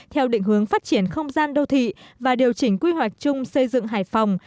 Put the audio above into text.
theo định hướng phát triển không gian đô thị và điều chỉnh quy hoạch chung xây dựng hải phòng